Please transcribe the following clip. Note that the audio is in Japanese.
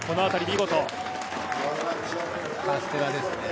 カステラですね。